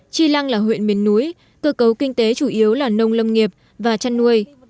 chi lăng là huyện miền núi cơ cấu kinh tế chủ yếu là nông lâm nghiệp và chăn nuôi